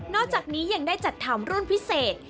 อกจากนี้ยังได้จัดทำรุ่นพิเศษ